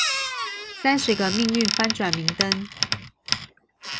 三十個命運翻轉明燈